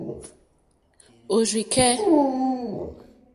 Òrzì kɛ́.